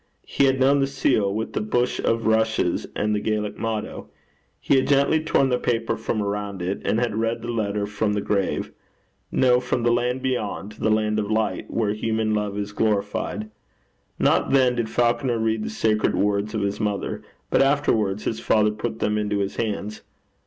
He had known the seal, with the bush of rushes and the Gaelic motto. He had gently torn the paper from around it, and had read the letter from the grave no, from the land beyond, the land of light, where human love is glorified. Not then did Falconer read the sacred words of his mother; but afterwards his father put them into his hands.